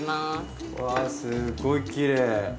うわすごいきれい。